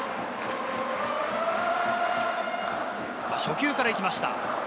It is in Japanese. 初球からいきました。